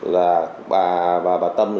là bà tâm